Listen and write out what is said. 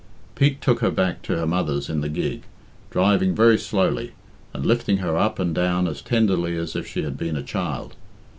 Pete took her back to her mother's in the gig, driving very slowly, and lifting her up and down as tenderly as if she had been a child.